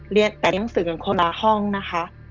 เรียนแต่งหนังสือกันคนละห้องนะคะ